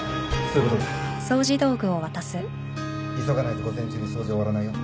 急がないと午前中に掃除終わらないよ。